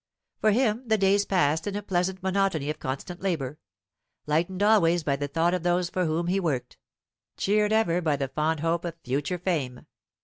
For him the days passed in a pleasant monotony of constant labour, lightened always by the thought of those for whom he worked, cheered ever by the fond hope of future fame.